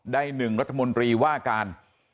ได้๑รัฐมนตรีว่าการ